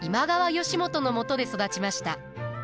義元のもとで育ちました。